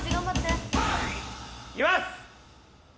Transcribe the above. いきます！